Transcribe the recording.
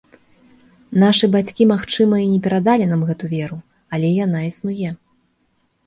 Нашы бацькі, магчыма, і не перадалі нам гэту веру, але яна існуе.